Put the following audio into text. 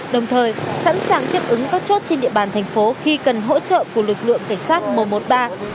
đồng thời sẵn sàng tiếp ứng các chốt trên địa bàn thành phố khi cần hỗ trợ của lực lượng cảnh sát mùa một ba